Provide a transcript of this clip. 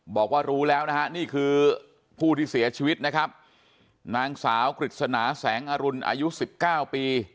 บอกว่ารู้แล้วนะฮะนี่คือผู้ที่เสียชีวิตนะครับนางสาวกฤษณาแสงอรุณอายุสิบเก้าปี